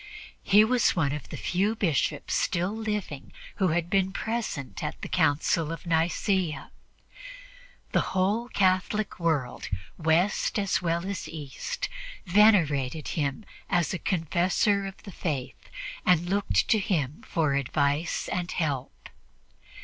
He was one of the few bishops still living who had been present at the Council of Nicea. The whole Catholic world, West as well as East, venerated him as a Confessor of the Faith and looked to him for advice and help.